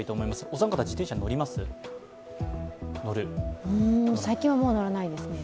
お三方、自転車に乗りますか？